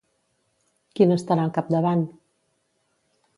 Qui n'estarà al capdavant?